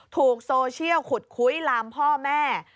ถูกโซเชียลขุดคุ้ยลามพ่อแม่